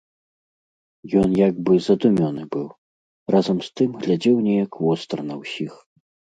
Ён як бы задумёны быў, разам з тым глядзеў нейк востра на ўсіх.